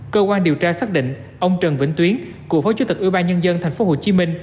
cơ quan điều tra xác định ông trần vĩnh tuyến cựu phó chú tịch ủy ban nhân dân tp hcm